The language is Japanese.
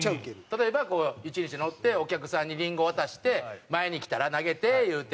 例えば一輪車乗ってお客さんにりんご渡して前に来たら投げていうて。